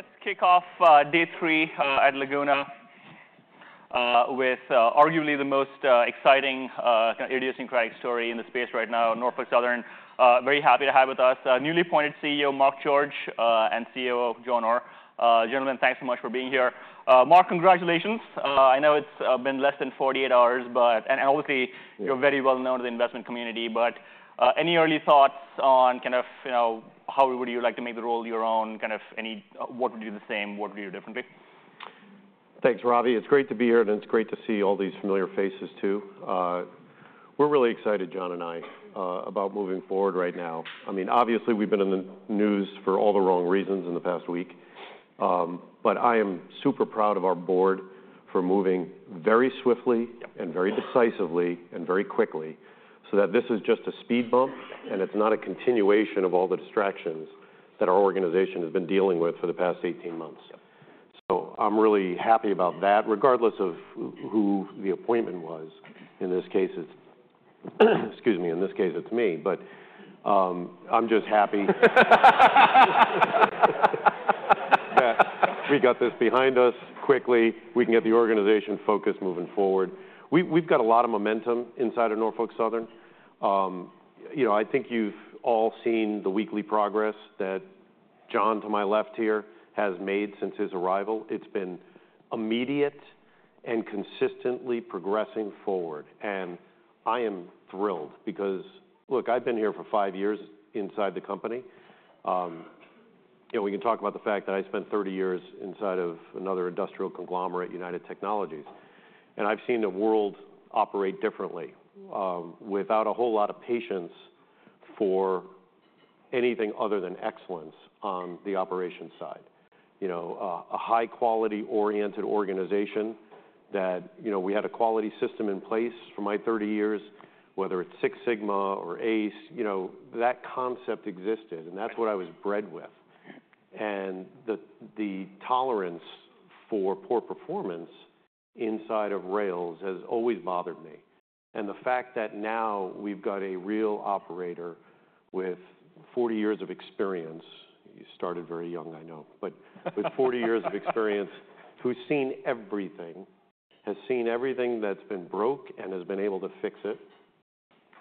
Let's kick off day three at Laguna with arguably the most exciting kind of idiosyncratic story in the space right now, Norfolk Southern. Very happy to have with us newly appointed CEO, Mark George, and COO John Orr. Gentlemen, thanks so much for being here. Mark, congratulations. I know it's been less than 48 hours, but and obviously, you're very well known to the investment community, but any early thoughts on kind of, you know, how would you like to make the role your own? Kind of any what would you do the same, what would you do differently? Thanks, Ravi. It's great to be here, and it's great to see all these familiar faces, too. We're really excited, John and I, about moving forward right now. We've been in the news for all the wrong reasons in the past week. I am super proud of our board for moving very swiftly and very decisively and very quickly, that this is just a speed bump, and it's not a continuation of all the distractions that our organization has been dealing with for the past eighteen months. I'm really happy about that, regardless of who the appointment was. In this case, it's, excuse me, in this case, it's me. But, I'm just happy that we got this behind us quickly. We can get the organization focused moving forward. We've got a lot of momentum inside of Norfolk Southern. You know, I think you've all seen the weekly progress that John, to my left here, has made since his arrival. It's been immediate and consistently progressing forward, I am thrilled because, look, I've been here for five years inside the company. You know, we can talk about the fact that I spent 30 years inside of another industrial conglomerate, United Technologies, and I've seen the world operate differently, without a whole lot of patience for anything other than excellence on the operations side. You know, a high quality-oriented organization that, you know, we had a quality system in place for my thirty years, whether it's Six Sigma or ACE, you know, that concept existed, and that's what I was bred with, and the tolerance for poor performance inside of rails has always bothered me, and the fact that now we've got a real operator with forty years of experience. You started very young, I know, but with forty years of experience, who's seen everything, has seen everything that's been broke and has been able to fix it,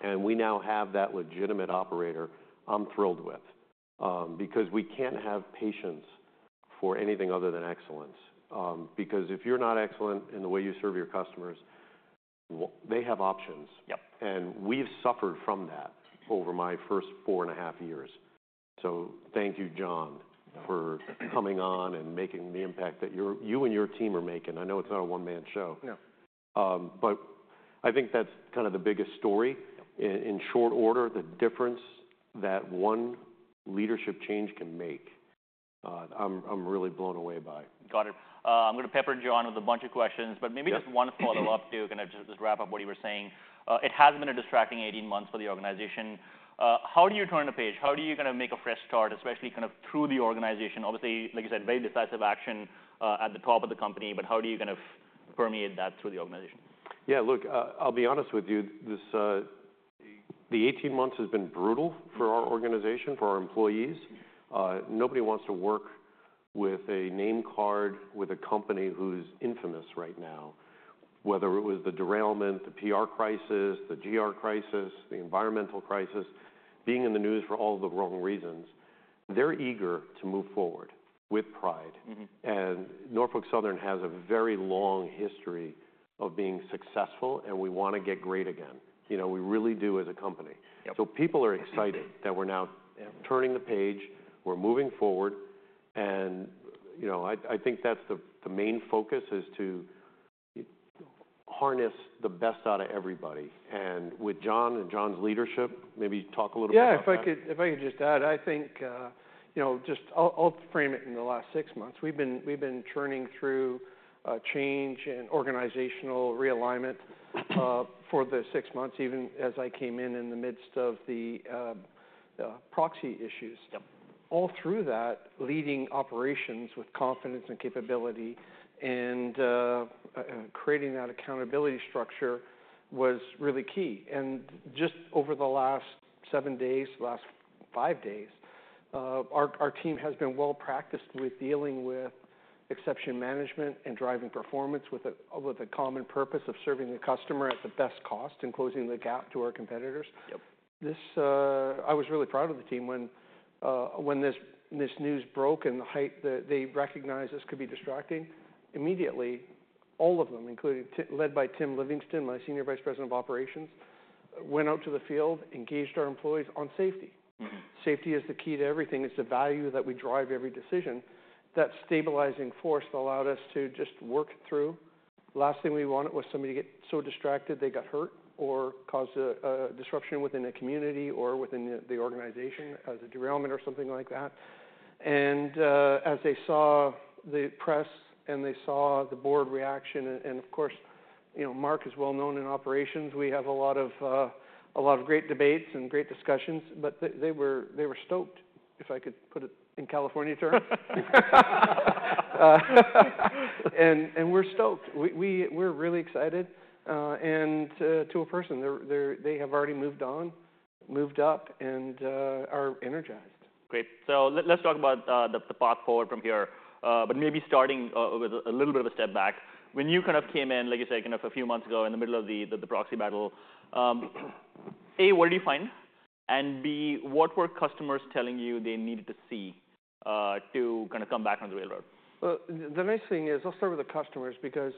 and we now have that legitimate operator, I'm thrilled with. Because we can't have patience for anything other than excellence. Because if you're not excellent in the way you serve your customers, they have options. And we've suffered from that over my first four and a half years. Thank you, John for coming on and making the impact that you and your team are making. I know it's not a one-man show. I think that's kind of the biggest story. In short order, the difference that one leadership change can make, I'm really blown away by it. Got it. I'm gonna pepper John with a bunch of questions, maybe just one follow-up to kind of just wrap up what you were saying. It has been a distracting eighteen months for the organization. How do you turn the page? How do you kind of make a fresh start, especially kind of through the organization? Obviously, like you said, very decisive action at the top of the company, but how do you kind of permeate that through the organization? Look, I'll be honest with you, this, the eighteen months has been brutal for our organization, for our employees. Nobody wants to work with a name card, with a company who's infamous right now. Whether it was the derailment, the PR crisis, the GR crisis, the environmental crisis, being in the news for all of the wrong reasons, they're eager to move forward with pride. Norfolk Southern has a very long history of being successful, and we want to get great again. You know, we really do as a company. People are excited that we're now turning the page, we're moving forward, and, you know, I think that's the main focus is to harness the best out of everybody. With John and John's leadership, maybe talk a little about that. If I could just add, I think, you know, just I'll frame it in the last six months. We've been churning through change and organizational realignment for the six months, even as I came in in the midst of the proxy issues. All through that, leading operations with confidence and capability and creating that accountability structure was really key. Just over the last seven days, last five days, our team has been well-practiced with dealing with exception management and driving performance with a common purpose of serving the customer at the best cost and closing the gap to our competitors. I was really proud of the team when this news broke and the hype that they recognized this could be distracting. Immediately, all of them, including Tim, led by Tim Livingston, my Senior Vice President of Operations, went out to the field, engaged our employees on safety. Safety is the key to everything. It's the value that we drive every decision. That stabilizing force allowed us to just work through. Last thing we wanted was somebody to get distracted they got hurt or caused a disruption within the community or within the organization as a derailment or something like that, and as they saw the press and they saw the board reaction, and of course, you know, Mark is well known in operations. We have a lot of great debates and great discussions, but they were stoked, if I could put it in California terms and we're stoked. We're really excited, and to a person, they have already moved on, moved up, and are energized. Great. Let's talk about the path forward from here, but maybe starting with a little bit of a step back. When you kind of came in, like you said, kind of a few months ago, in the middle of the proxy battle, A, what did you find? And B, what were customers telling you they needed to see to kind of come back on the railroad? The nice thing, I'll start with the customers because,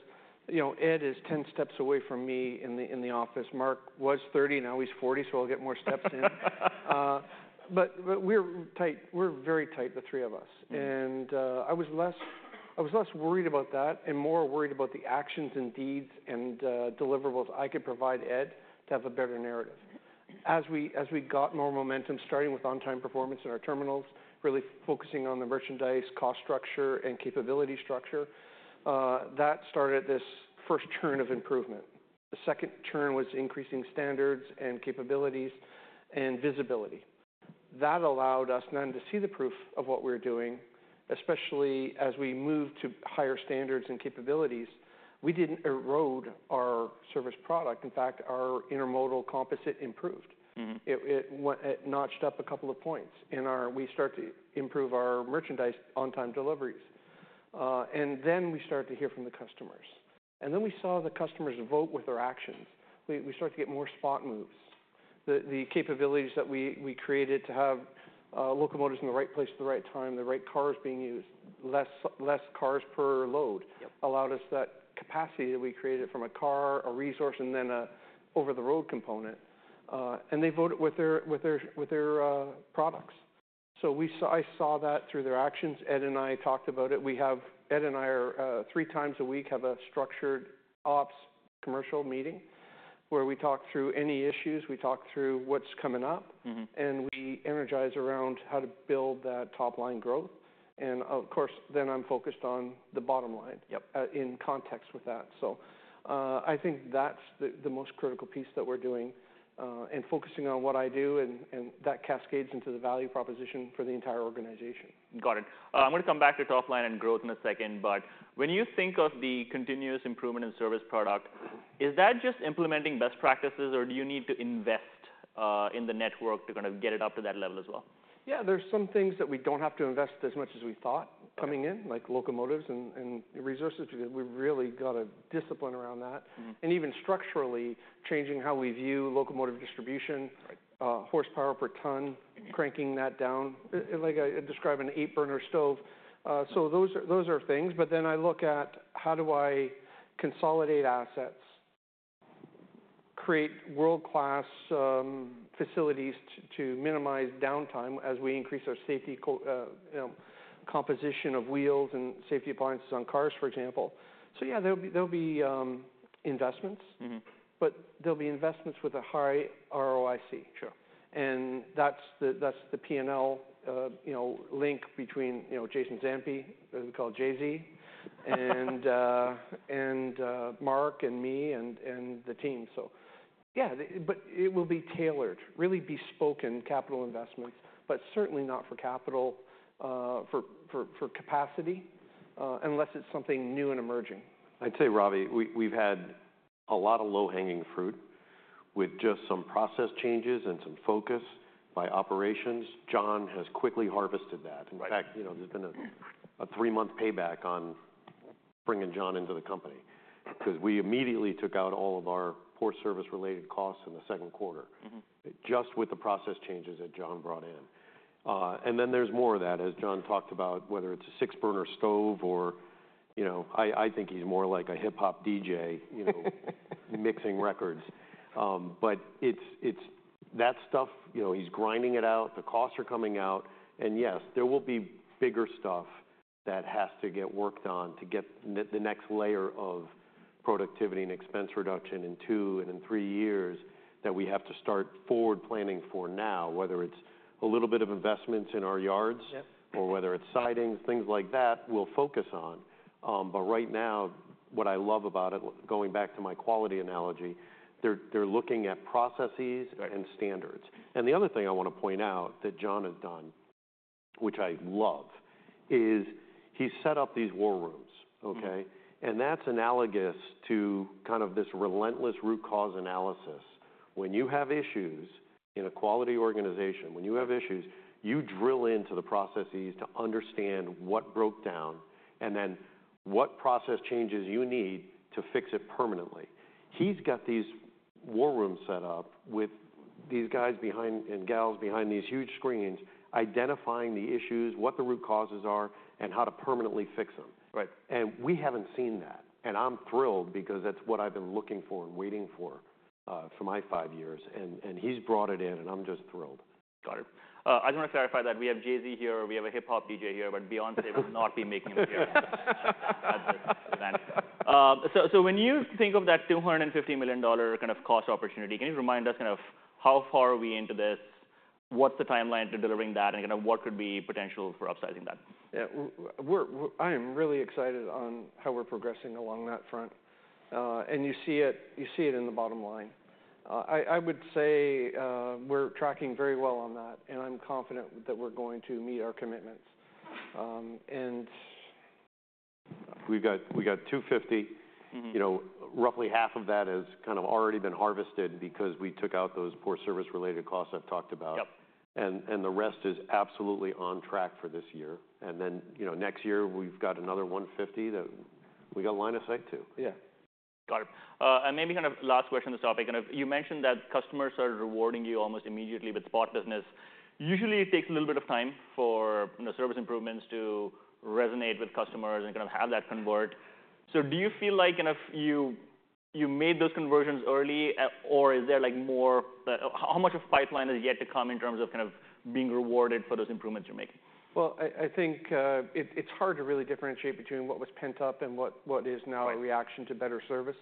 you know, Ed is 10 steps away from me in the office. Mark was 30, now he's 40, I'll get more steps in. We're tight. We're very tight, the three of us. I was less worried about that and more worried about the actions and deeds and deliverables I could provide Ed to have a better narrative. As we got more momentum, starting with on-time performance in our terminals, really focusing on the merchandise cost structure and capability structure, that started this first turn of improvement. The second turn was increasing standards and capabilities and visibility. That allowed us then to see the proof of what we were doing, especially as we moved to higher standards and capabilities. We didn't erode our service product. In fact, our intermodal composite improved. It notched up a couple of points in our. We started to improve our merchandise on-time deliveries. And then we started to hear from the customers, and then we saw the customers vote with their actions. We started to get more spot moves. The capabilities that we created to have locomotives in the right place at the right time, the right cars being used, less cars per load, allowed us that capacity that we created from a car, a resource, an over-the-road component, and they voted with their products, so I saw that through their actions. Ed and I talked about it. Ed and I, three times a week, have a structured ops commercial meeting where we talk through any issues, we talk through what's coming up. And we energize around how to build that top-line growth. Of course, then I'm focused on the bottom line. In context with that. I think that's the most critical piece that we're doing in focusing on what I do, and that cascades into the value proposition for the entire organization. Got it. I'm going to come back to top line and growth in a second, but when you think of the continuous improvement in service product, is that just implementing best practices, or do you need to invest in the network to kind of get it up to that level as well? There's some things that we don't have to invest as much as we thought coming in like locomotives and resources, because we've really got a discipline around that. Even structurally, changing how we view locomotive distribution- Horsepower per ton, cranking that down. Like I describe an eight-burner stove. Those are things, but then I look at how do I consolidate assets, create world-class facilities to minimize downtime as we increase our safety composition of wheels and safety appliances on cars, for example. There'll be investments. They'll be investments with a high ROIC. That's the P&L, you know, link between, you know, Jason Zampi, as we call him, JZ and Mark, and me, and the team. But it will be tailored, really bespoke capital investments, but certainly not for capital for capacity, unless it's something new and emerging. I'd say, Ravi, we've had a lot of low-hanging fruit with just some process changes and some focus by operations. John has quickly harvested that. In fact, you know, there's been a three-month payback on bringing John into the company, because we immediately took out all of our poor service-related costs in the Q2 Just with the process changes that John brought in. There's more of that, as John talked about, whether it's a six-burner stove. You know, I think he's more like a hip-hop DJ, you know, mixing records It's that stuff, you know, he's grinding it out, the costs are coming out, and yes, there will be bigger stuff that has to get worked on to get the next layer of productivity and expense reduction in two and in three years that we have to start forward planning for now, whether it's a little bit of investments in our yards-or whether it's sidings, things like that, we'll focus on. Right now, what I love about it, going back to my quality analogy, they're looking at processesand standards. The other thing I want to point out that John has done, which I love, is he's set up these war rooms, okay? That's analogous to kind of this relentless root cause analysis. When you have issues in a quality organization, when you have issues, you drill into the processes to understand what broke down and then what process changes you need to fix it permanently. He's got these war rooms set up with these guys behind, and gals behind these huge screens, identifying the issues, what the root causes are, and how to permanently fix them. We haven't seen that, and I'm thrilled because that's what I've been looking for and waiting for, for my five years, and he's brought it in, and I'm just thrilled. Got it. I just want to clarify that we have Jay-Z here, or we have a hip-hop DJ here, but Beyoncé will not be making an appearance. When you think of that $250 million kind of cost opportunity, can you remind us kind of how far are we into this? What's the timeline to delivering that, and kind of what could be potential for upsizing that? I am really excited on how we're progressing along that front, and you see it, you see it in the bottom line. I would say, we're tracking very well on that, and I'm confident that we're going to meet our commitments. And- We got two fifty You know, roughly half of that has kind of already been harvested because we took out those poor service-related costs I've talked about. The rest is absolutely on track for this year. You know, next year, we've got another one fifty that we got line of sight to. Got it. And maybe kind of last question on this topic. Kind of, you mentioned that customers are rewarding you almost immediately with spot business. Usually, it takes a little bit of time for, you know, service improvements to resonate with customers and kind of have that convert. Do you feel like, kind of, you made those conversions early, or is there, like, more? How much of pipeline is yet to come in terms of kind of being rewarded for those improvements you're making? I think it's hard to really differentiate between what was pent up and what is nowa reaction to better service,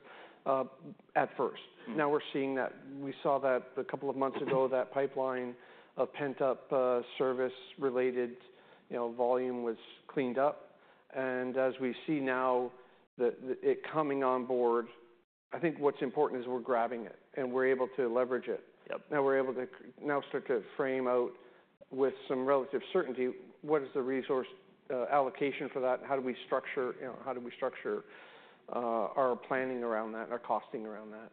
at first. Now we're seeing that, we saw that a couple of months ago, that pipeline of pent up, service-related, you know, volume was cleaned up and as we see now, it coming on board. I think what's important is we're grabbing it, and we're able to leverage it. Now, we're able to now start to frame out with some relative certainty, what is the resource allocation for that? How do we structure, you know, our planning around that, our costing around that?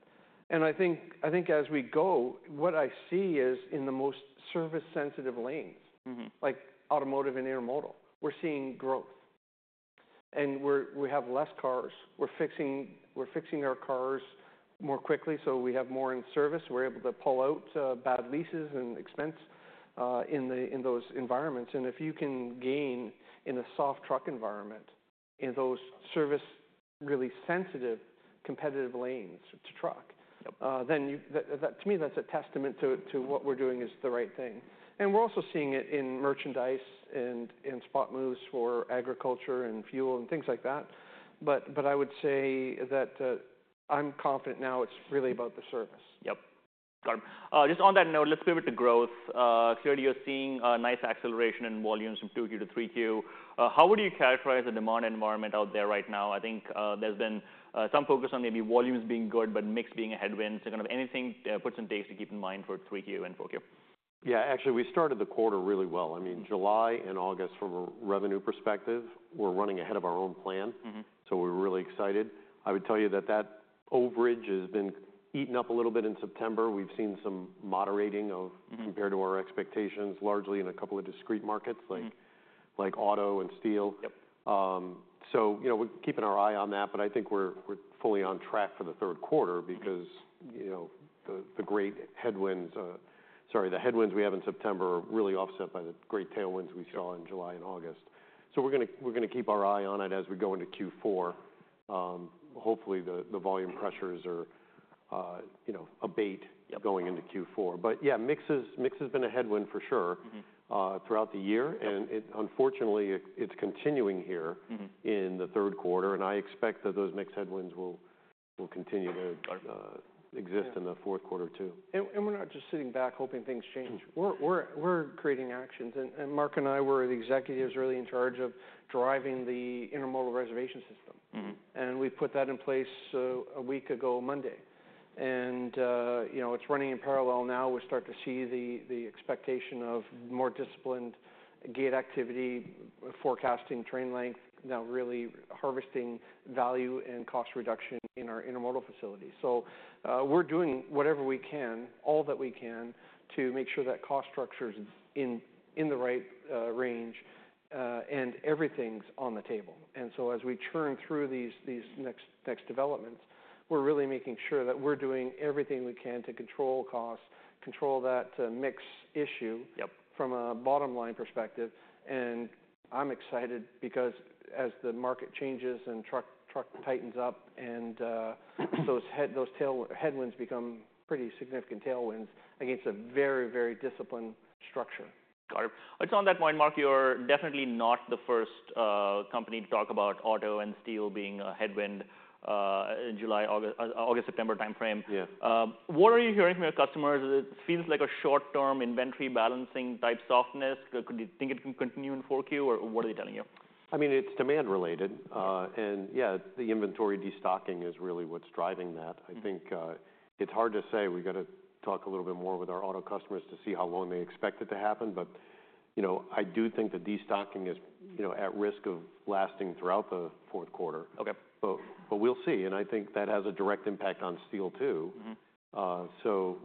And I think as we go, what I see is in the most service-sensitive lanes, like automotive and intermodal, we're seeing growth, and we have less cars. We're fixing, we're fixing our cars more quickly, so we have more in service. We're able to pull out bad leases and expense in those environments. If you can gain in a soft truck environment, in those service really sensitive competitive lanes to truck, then to me, that's a testament to what we're doing is the right thing, and we're also seeing it in merchandise and in spot moves for agriculture and fuel and things like that, but I would say that, I'm confident now it's really about the service. Got it. Just on that note, let's pivot to growth. Clearly, you're seeing a nice acceleration in volumes from two Q to three Q. How would you characterize the demand environment out there right now? I think, there's been some focus on maybe volumes being good, but mix being a headwind. So kind of anything, put some dates to keep in mind for three Q and four Q. Actually, we started the quarter really well. I mean, July and August, from a revenue perspective, we're running ahead of our own plan. We're really excited. I would tell you that that overage has been eaten up a little bit in September. We've seen some moderating of... compared to our expectations, largely in a couple of discrete markets- like auto and steel. You know, we're keeping our eye on that, but I think we're fully on track for the Q3 because, you know, the great headwinds, sorry, the headwinds we have in September are really offset by the great tailwinds we saw in July and August. We're gonna keep our eye on it as we go into Q4. Hopefully, the volume pressures are, you know, abate going into Q4, but yeah, mix has been a headwind, for sure throughout the year, and it, unfortunately, it's continuing here, in the Q3, and I expect that those mix headwinds will continue to exist in the Q2, too. We're not just sitting back, hoping things change. We're creating actions, and Mark and I, we're the executives really in charge of driving the intermodal reservation system. We put that in place a week ago, Monday, and you know, it's running in parallel now. We're starting to see the expectation of more disciplined gate activity, forecasting train length, now really harvesting value and cost reduction in our intermodal facilities. We're doing whatever we can, all that we can, to make sure that cost structure is in the right range, and everything's on the table. As we churn through these next developments, we're really making sure that we're doing everything we can to control costs, control that mix issue from a bottom line perspective. I'm excited because as the market changes, and truck tightens up, and those headwinds become pretty significant tailwinds. I think it's a very, very disciplined structure. Got it. On that point, Mark, you're definitely not the first company to talk about auto and steel being a headwind in July, August, September timeframe. What are you hearing from your customers? It feels like a short-term inventory balancing type softness. Could you think it can continue in 4Q, or what are they telling you? It's demand related Yeah, the inventory destocking is really what's driving that I think, it's hard to say. We've got to talk a little bit more with our auto customers to see how long they expect it to happen. But, you know, I do think the destocking is, you know, at risk of lasting throughout the Q2. But we'll see, and I think that has a direct impact on steel, too.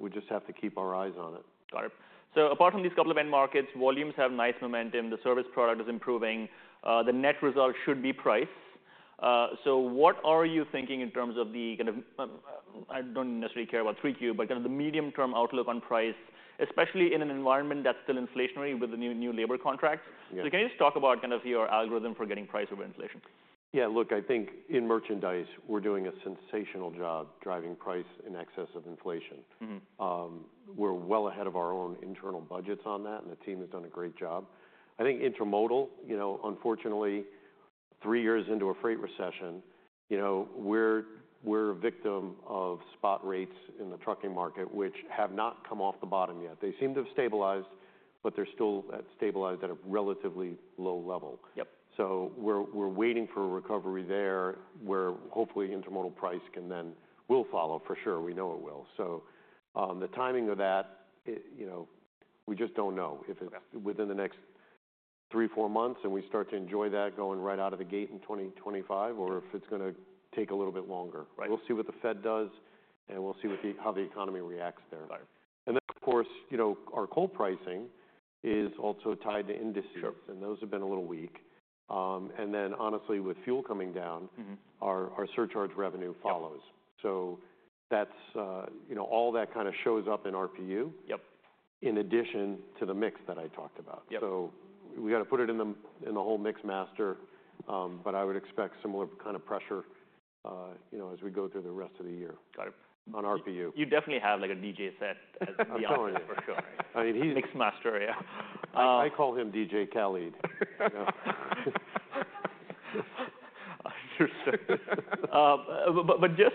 We just have to keep our eyes on it. Got it. Apart from these couple of end markets, volumes have nice momentum, the service product is improving, the net result should be price. What are you thinking in terms of the kind of, I don't necessarily care about three Q, but kind of the medium-term outlook on price, especially in an environment that's still inflationary with the new labor contracts? Can you just talk about kind of your algorithm for getting price over inflation? Look, I think in merchandise, we're doing a sensational job driving price in excess of inflation. We're well ahead of our own internal budgets on that, and the team has done a great job. I think intermodal, you know, unfortunately, three years into a freight recession, you know, we're a victim of spot rates in the trucking market, which have not come off the bottom yet. They seem to have stabilized, but they're still at, stabilized at a relatively low level. We're waiting for a recovery there, where hopefully intermodal price will follow for sure. We know it will. The timing of that, you know, we just don't know if it's within the next three, four months, and we start to enjoy that going right out of the gate in 2025, or if it's gonna take a little bit longer. We'll see what the Fed does, and we'll see what the, how the economy reacts there. Of course, you know, our coal pricing is also tied to industry and those have been a little weak. Honestly, with fuel coming down our surcharge revenue follows. That's, you know, all that kind of shows up in RPU in addition to the mix that I talked about. So we got to put it in the whole mix, master, I would expect similar kind of pressure, you know, as we go through the rest of the year. Got it- on RPU. You definitely have, like, a DJ set as beyond for sure mix master. I call him DJ Khaled. Just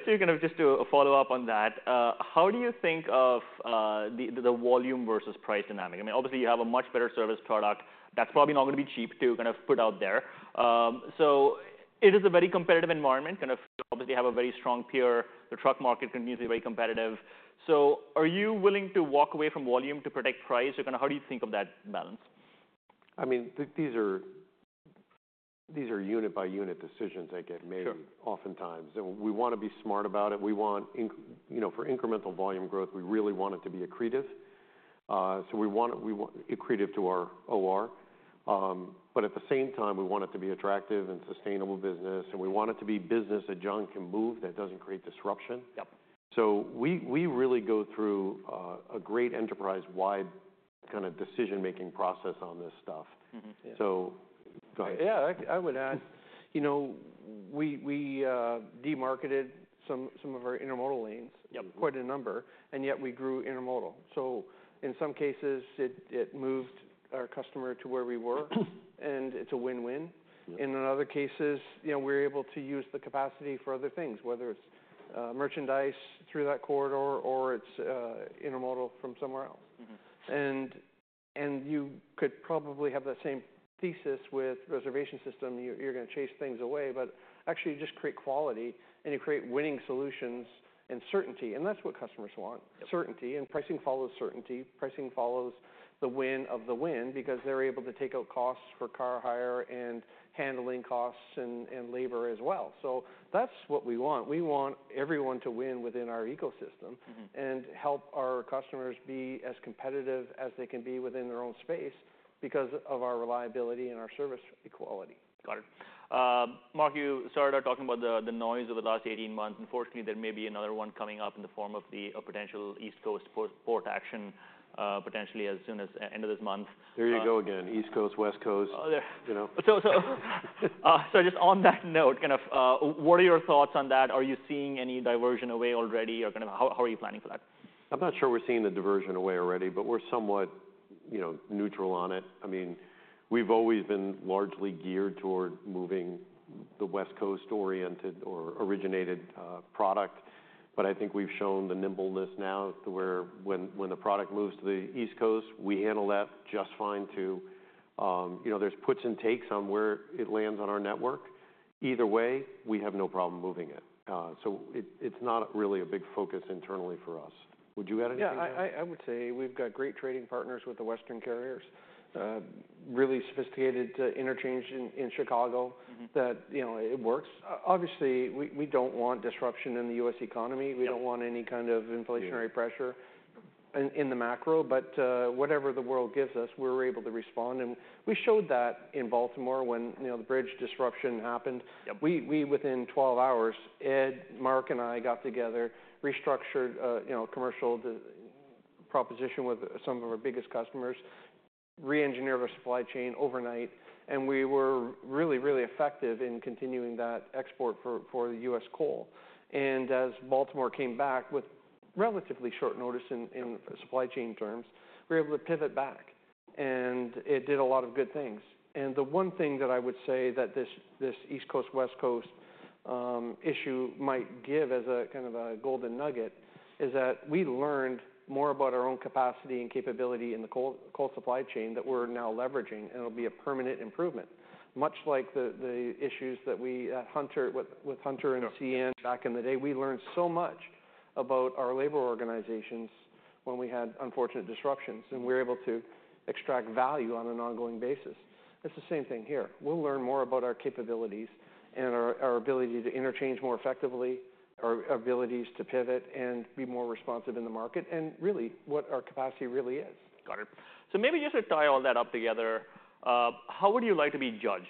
to kind of follow up on that, how do you think of the volume versus price dynamic? You have a much better service product that's probably not going to be cheap to kind of put out there. It is a very competitive environment, kind of. Obviously, you have a very strong peer. The truck market can be very competitive. Are you willing to walk away from volume to protect price or kind of how do you think of that balance? These are, these are unit-by-unit decisions that get made. Oftentimes, and we want to be smart about it. You know, for incremental volume growth, we really want it to be accretive. We want it, we want accretive to our OR. But at the same time, we want it to be attractive and sustainable business, and we want it to be business that John can move that doesn't create disruption. We really go through a great enterprise-wide kind of decision-making process on this stuff. So, go ahead. I would add, you know, we demarketed some of our intermodal lanes. Quite a number, and yet we grew intermodal. So in some cases it moved our customer to where we were, and it's a win-win. In other cases, you know, we're able to use the capacity for other things, whether it's merchandise through that corridor or it's intermodal from somewhere else. You could probably have that same thesis with reservation system. You're going to chase things away, but actually, you just create quality, and you create winning solutions and certainty, and that's what customers want. Certainty, and pricing follows certainty. Pricing follows the win of the win because they're able to take out costs for car hire and handling costs and labor as well. So that's what we want. We want everyone to win within our ecosystem Help our customers be as competitive as they can be within their own space because of our reliability and our service quality. Got it. Mark, you started out talking about the noise over the last eighteen months. Unfortunately, there may be another one coming up in the form of a potential East Coast port action, potentially as soon as end of this month. There you go again, East Coast, West Coast. Oh, there You know? Just on that note, kind of, what are your thoughts on that? Are you seeing any diversion away already or kind of how are you planning for that? I'm not sure we're seeing the diversion away already, but we're somewhat, you know, neutral on it. I mean, we've always been largely geared toward moving the West Coast-oriented or originated product, but I think we've shown the nimbleness now to where when the product moves to the East Coast, we handle that just fine too. You know, there's puts and takes on where it lands on our network. Either way, we have no problem moving it, so it, it's not really a big focus internally for us. Would you add anything? I would say we've got great trading partners with the Western carriers. Really sophisticated interchange in Chicago that, you know, it works. Obviously, we don't want disruption in the U.S. economy. We don't want any kind of inflationary- Pressure in the macro, but whatever the world gives us, we're able to respond, and we showed that in Baltimore when, you know, the bridge disruption happened. We within twelve hours, Ed, Mark, and I got together, restructured, you know, commercial proposition with some of our biggest customers, reengineered our supply chain overnight, and we were really, really effective in continuing that export for the U.S. coal. As Baltimore came back with relatively short notice in supply chain terms, we were able to pivot back, and it did a lot of good things. The one thing that I would say that this East Coast, West Coast issue might give as a kind of a golden nugget is that we learned more about our own capacity and capability in the coal supply chain that we're now leveraging, and it'll be a permanent improvement. Much like the issues that we Hunter with Hunter and CN back in the day, we learned so much about our labor organizations when we had unfortunate disruptions, and we were able to extract value on an ongoing basis. It's the same thing here. We'll learn more about our capabilities and our, our ability to interchange more effectively, our abilities to pivot and be more responsive in the market, and really, what our capacity really is. Got it. Maybe just to tie all that up together, how would you like to be judged?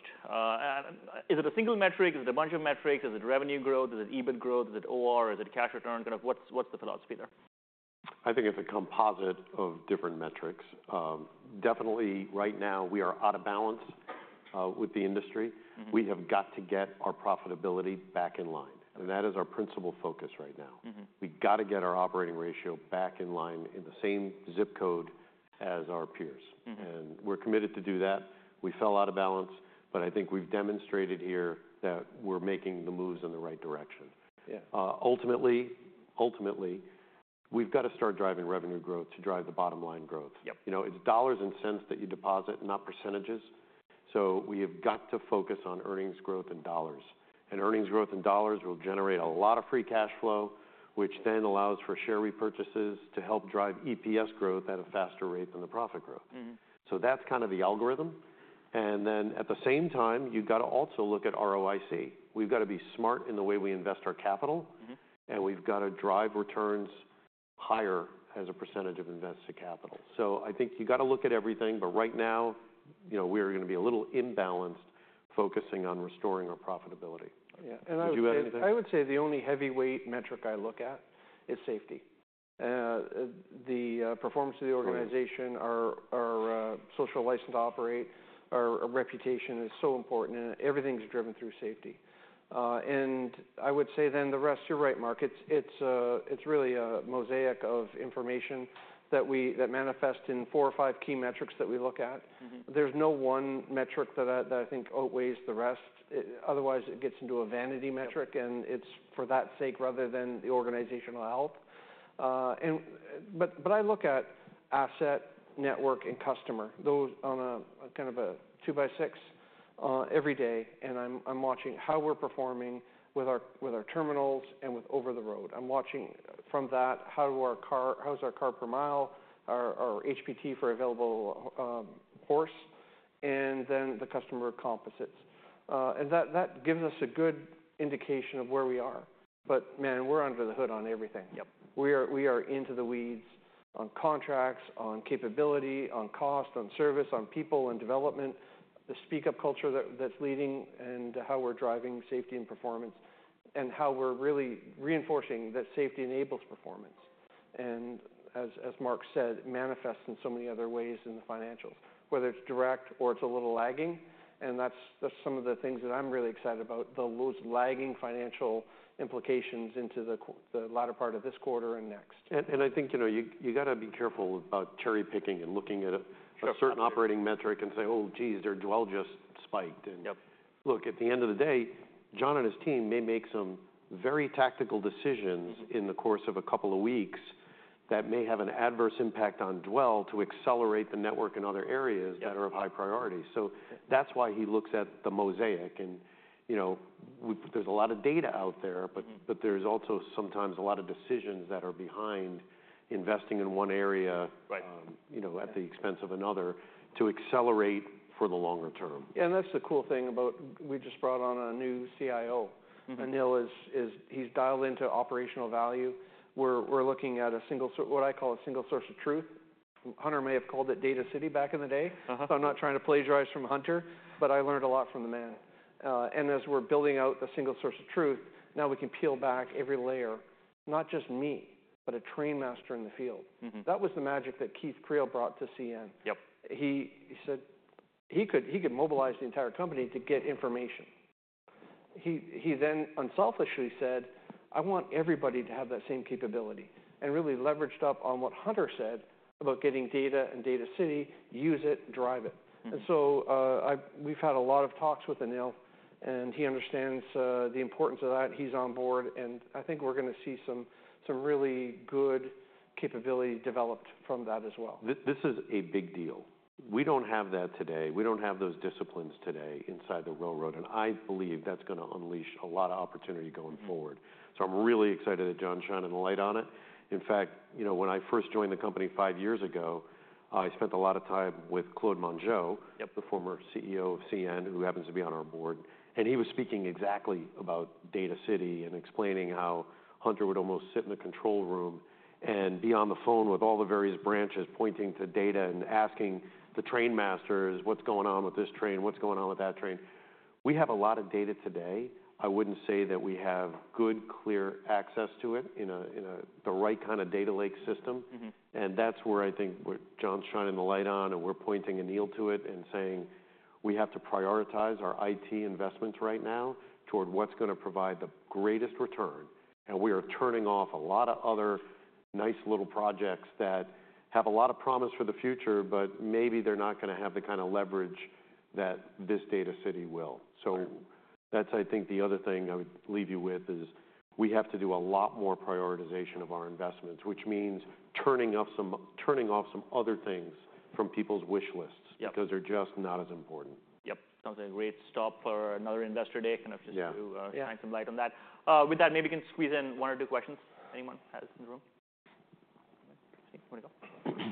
Is it a single metric? Is it a bunch of metrics? Is it revenue growth? Is it EBIT growth? Is it OR? Is it cash return? Kind of what's the philosophy there? I think it's a composite of different metrics. Definitely right now we are out of balance with the industry We have got to get our profitability back in line, and that is our principal focus right now. We've got to get our operating ratio back in line in the same zip code as our peers. We're committed to do that. We fell out of balance, We've demonstrated here that we're making the moves in the right direction. Ultimately, we've got to start driving revenue growth to drive the bottom line growth. You know, it's dollars and cents that you deposit, not percentages. We have got to focus on earnings growth in dollars, and earnings growth in dollars will generate a lot of free cash flow, which then allows for share repurchases to help drive EPS growth at a faster rate than the profit growth That's kind of the algorithm. At the same time, you've got to also look at ROIC. We've got to be smart in the way we invest our capital and we've got to drive returns higher as a percentage of invested capital. I think you've got to look at everything, but right now, you know, we are going to be a little imbalanced, focusing on restoring our profitability. Did you have anything? I would say the only heavyweight metric I look at is safety. The performance of the organization- Totally Our social license to operate, our reputation is so important, and everything's driven through safety, and I would say then the rest, you're right, Mark, it's really a mosaic of information that manifests in four or five key metrics that we look at There's no one metric that I think outweighs the rest. It otherwise gets into a vanity metric, and it's for that sake rather than the organizational health, but I look at asset, network, and customer those on a kind of two-by-six every day, and I'm watching how we're performing with our terminals and with over-the-road. I'm watching from that how's our car per mile, our HPT for available horse, and then the customer composites. That gives us a good indication of where we are. Man, we're under the hood on everything.. We are into the weeds on contracts, on capability, on cost, on service, on people and development, the speak-up culture that's leading, and how we're driving safety and performance, and how we're really reinforcing that safety enables performance and, as Mark said, manifests in so many other ways in the financials, whether it's direct or it's a little lagging, and that's some of the things that I'm really excited about, those lagging financial implications into the latter part of this quarter and next. I think, you know, you gotta be careful about cherry-picking and looking at a certain operating metric and say, "Oh, geez, their dwell just spiked." Look, at the end of the day, John and his team may make some very tactical decisions. In the course of a couple of weeks that may have an adverse impact on dwell to accelerate the network in other areas. That are of high priority. So that's why he looks at the mosaic, and, you know, there's a lot of data out there, but there's also sometimes a lot of decisions that are behind investing in one area you know, at the expense of another, to accelerate for the longer term. That's the cool thing about, we just brought on a new CIO Anil is -- he's dialed into operational value. We're looking at a single source of truth. Hunter may have called it Data City back in the day. I'm not trying to plagiarize from Hunter, but I learned a lot from the man, and as we're building out the single source of truth, now we can peel back every layer, not just me, but a train master in the field. That was the magic that Keith Creel brought to CN. He said he could mobilize the entire company to get information. He then unselfishly said, "I want everybody to have that same capability," and really leveraged up on what Hunter said about getting data and Data City, use it, drive it. We've had a lot of talks with Anil, and he understands the importance of that. He's on board, and I think we're going to see some really good capability developed from that as well. This, this is a big deal. We don't have that today. We don't have those disciplines today inside the railroad, and I believe that's going to unleash a lot of opportunity going forward. I'm really excited that John shining a light on it. In fact, you know, when I first joined the company five years ago, I spent a lot of time with Claude Mongeau the former CEO of CN, who happens to be on our board, and he was speaking exactly about Data City and explaining how Hunter would almost sit in the control room and be on the phone with all the various branches, pointing to data and asking the train masters: "What's going on with this train? What's going on with that train?" We have a lot of data today. I wouldn't say that we have good, clear access to it in the right kind of data lake system. That's where I think John's shining the light on, and we're pointing Anil to it and saying, "We have to prioritize our IT investments right now toward what's going to provide the greatest return." We are turning off a lot of other nice little projects that have a lot of promise for the future, maybe they're not going to have the kind of leverage that this Data City will. That's, I think, the other thing I would leave you with, is we have to do a lot more prioritization of our investments, which means turning off some other things from people's wish lists. Because they're just not as important. Sounds like a great stop for another investor day, kind of just to, Shine some light on that. With that, maybe we can squeeze in one or two questions if anyone has in the room. Okay, want to go?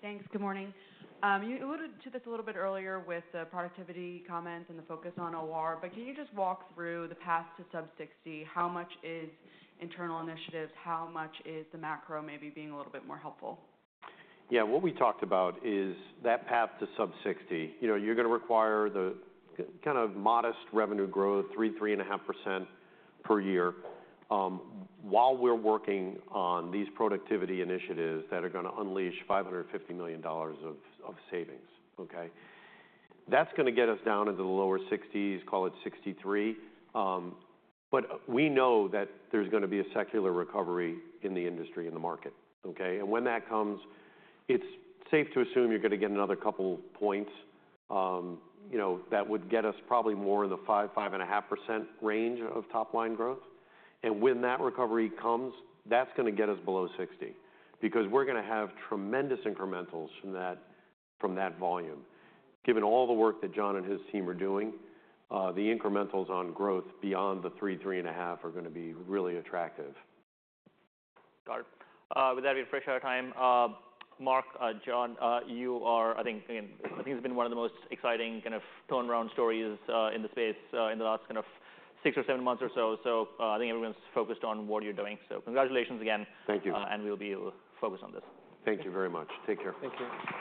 Thanks. Good morning. You alluded to this a little bit earlier with the productivity comments and the focus on OR, but can you just walk through the path to sub sixty? How much is internal initiatives? How much is the macro maybe being a little bit more helpful? Yeah, what we talked about is that path to sub-60. You know, you're going to require kind of modest revenue growth, 3% to 3.5% per year, while we're working on these productivity initiatives that are going to unleash $550 million of savings, okay? That's going to get us down into the lower 60s, call it 63. We know that there's going to be a secular recovery in the industry, in the market, okay? When that comes, it's safe to assume you're going to get another couple points, you know, that would get us probably more in the 5% to 5.5% range of top-line growth. When that recovery comes, that's going to get us below 60, because we're going to have tremendous incrementals from that volume. Given all the work that John and his team are doing, the incrementals on growth beyond the three, three and a half are going to be really attractive. Got it. With that, we've reached our time. Mark, John, you are, I think, again, I think it's been one of the most exciting kind of turnaround stories in the space in the last kind of six or seven months or so. I think everyone's focused on what you're doing. Congratulations again. Thank you. We'll be able to focus on this. Thank you very much. Take care. Thank you.